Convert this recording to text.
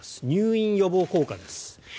入院予防効果です。